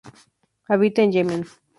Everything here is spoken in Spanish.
Habita en Yemen.